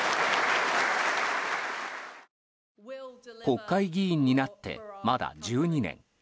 国会議員になってまだ１２年。